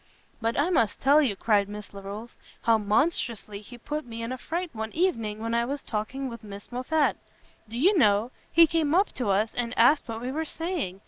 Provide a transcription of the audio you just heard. "But I must tell you," cried Miss Larolles, "how monstrously he put me in a fright one evening when I was talking with Miss Moffat. Do you know, he came up to us, and asked what we were saying!